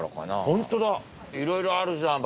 ホントだいろいろあるじゃん